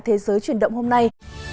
thế giới chuyển động hôm nay